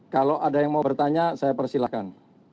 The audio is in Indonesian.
kalau ada yang mau bertanya saya persilahkan